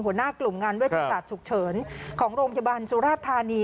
หัวหน้ากลุ่มงานเวชศาสตร์ฉุกเฉินของโรงพยาบาลสุราชธานี